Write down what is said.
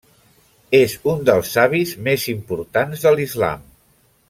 És un dels savis més importants de l'Islam.